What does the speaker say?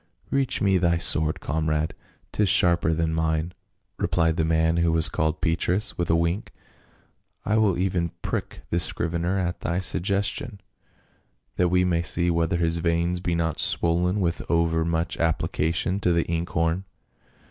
" Reach me thy sword, comrade, 'tis sharper than mine," replied the man who was called Petrus, with a wink. " I will even prick this scrivener at thy sug gestion, that we may see whether his veins be not swollen with over much application to the inkhorn."